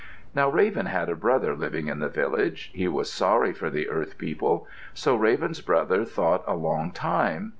Now Raven had a brother living in the village. He was sorry for the earth people. So Raven's brother thought a long time.